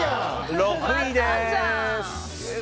６位です。